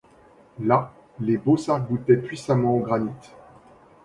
Là, les baux s’arc-boutaient puissamment au granit.